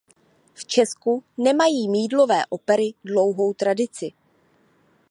V Česku nemají mýdlové opery dlouhou tradici.